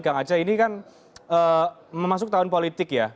kang aceh ini kan memasuki tahun politik ya